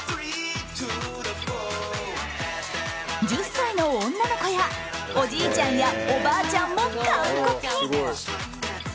１０歳の女の子やおじいちゃんやおばあちゃんも完コピ。